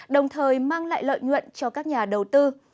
đồng thời mang lại lợi nhuận cho các nhà đầu tư